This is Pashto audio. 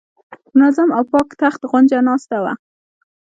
په منظم او پاک تخت غونجه ناسته وه.